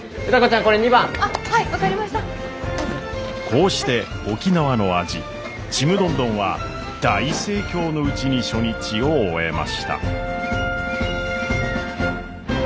こうして沖縄の味ちむどんどんは大盛況のうちに初日を終えました。